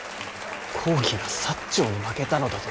公儀が長に負けたのだと知った。